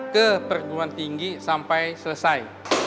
ke perguruan tinggi sampai selesai